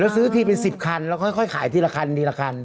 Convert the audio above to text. แล้วซื้อทีเป็น๑๐คันแล้วก็ค่อยขายทีละคัน